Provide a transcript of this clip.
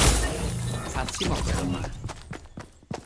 ଫାଶି ମକଦ୍ଦମା ।